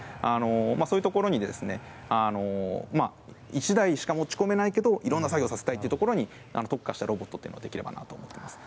そういうところに１台しか持ち込めないけどいろんな作業をさせたいところに特化したロボットができればと思います。